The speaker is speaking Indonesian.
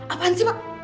apaan sih mak